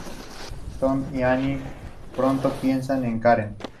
Tom y Anne pronto piensan en Karen.